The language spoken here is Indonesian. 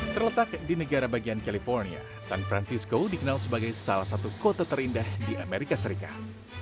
terletak di negara bagian california san francisco dikenal sebagai salah satu kota terindah di amerika serikat